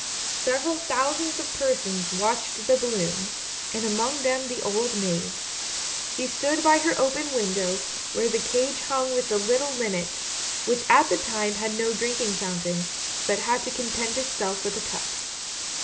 " Several thousands of persons watched the balloon, and among them the old maid. She stood by her open window, where the cage hung with the little linnet, which at that time had no drinking fountain, but had to content itself with a cup.